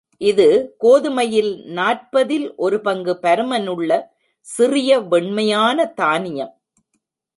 இது கோதுமையில் நாற்பதில் ஒரு பங்கு பருமனுள்ள, சிறிய வெண்மையான தானியம்.